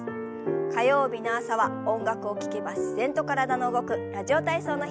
火曜日の朝は音楽を聞けば自然と体の動く「ラジオ体操」の日。